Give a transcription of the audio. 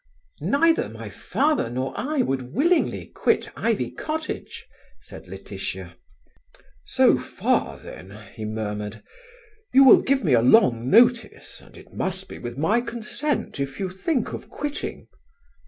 "Neither my father nor I would willingly quit Ivy Cottage," said Laetitia. "So far, then," he murmured. "You will give me a long notice, and it must be with my consent if you think of quitting?"